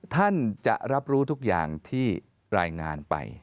ท่านจะรับรู้ทุกอย่างที่รายงานไป